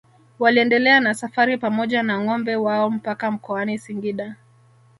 Waliendelea na safari pamoja na ngombe wao mpaka mkoani Singida